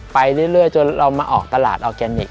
ไปเรื่อยจนเรามาออกตลาดออร์แกนิค